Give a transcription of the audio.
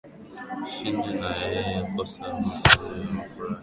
shinda na yeye kase amefurahi amefurahia